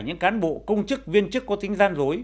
những cán bộ công chức viên chức có tính gian dối